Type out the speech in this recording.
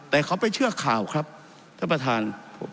แต่เขาไปเชื่อข่าวครับท่านประธาน